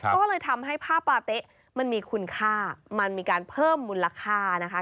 ก็เลยทำให้ผ้าปาเต๊ะมันมีคุณค่ามันมีการเพิ่มมูลค่านะคะ